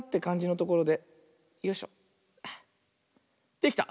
できた！